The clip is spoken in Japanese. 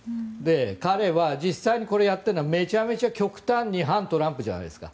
彼は実際にこれをやっているのはめちゃくちゃ極端に反トランプじゃないですか。